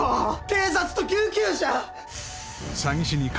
警察と救急車！